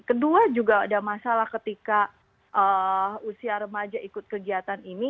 kedua juga ada masalah ketika usia remaja ikut kegiatan ini